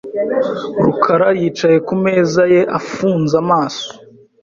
rukara yicaye ku meza ye afunze amaso .